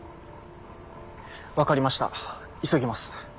分かりました急ぎます。